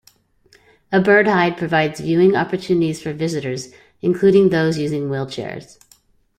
A bird hide provides viewing opportunities for visitors, including those using wheelchairs.